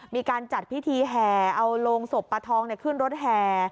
มีการจัดพิธีแห่เอาโรงศพปลาทองขึ้นรถแห่